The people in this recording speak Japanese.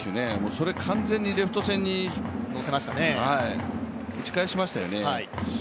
それ、完全にレフト線に打ち返しましたよね。